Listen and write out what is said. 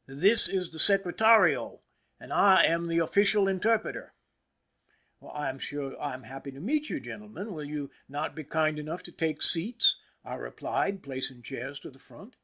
" This is the secretariat and I am the official inter preter." "I am sure I am happy to meet you, gentlemen. Will you not be kind enough to take seats ?" I replied, placing chairs to the front.